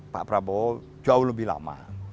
pak prabowo jauh lebih lama